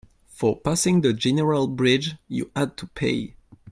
For passing the general bridge, you had to pay.